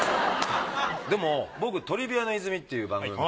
でも僕『トリビアの泉』っていう番組。